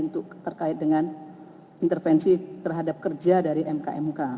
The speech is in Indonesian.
untuk terkait dengan intervensi terhadap kerja dari mk mk